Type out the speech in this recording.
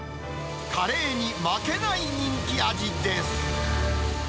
カレーに負けない人気味です。